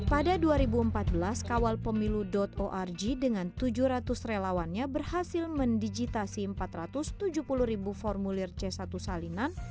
pada dua ribu empat belas kawalpemilu org dengan tujuh ratus relawannya berhasil mendigitasi empat ratus tujuh puluh ribu formulir c satu salinan